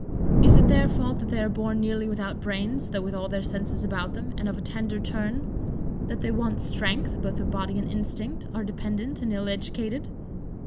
Is it their fault that they are born nearly without brains, though with all their senses about them, and of a tender turn? That they want strength, both of body and instinct, are dependant, and ill educated?